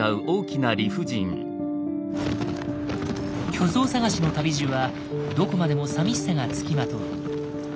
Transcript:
巨像探しの旅路はどこまでもさみしさがつきまとう。